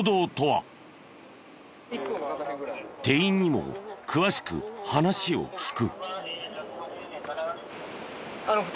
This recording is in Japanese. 店員にも詳しく話を聞く。